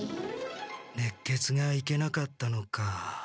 ねっけつがいけなかったのか。